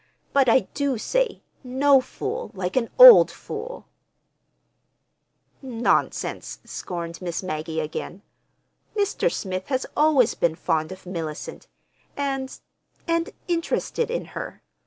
"But I do say, 'No fool like an old fool'!" "Nonsense!" scorned Miss Maggie again. "Mr. Smith has always been fond of Mellicent, and—and interested in her.